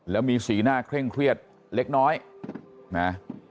แล้วมีสีหน้าเคร่งเครียดเล็กน้อยนะ